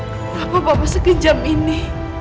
kenapa papa sekejam ini